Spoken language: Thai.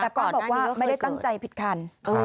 บอกว่าไม่ได้ตั้งใจผิดคัน